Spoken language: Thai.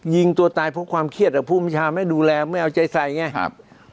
ยิงตัวตายเพราะความเครียดกับผู้มชาติไม่ดูแลไม่เอาใจใสอย่างเงี้ย